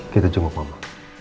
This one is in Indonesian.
kita jemput mama